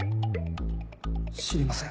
知りません。